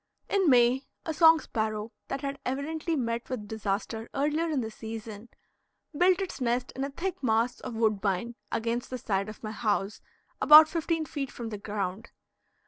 In May, a song sparrow, that had evidently met with disaster earlier in the season, built its nest in a thick mass of woodbine against the side of my house, about fifteen feet from the ground.